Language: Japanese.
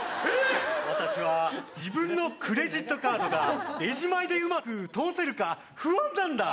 私は自分のクレジットカードがレジ前でうまく通せるか不安なんだ。